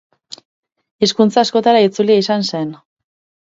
Hizkuntza askotara itzulia izan zen.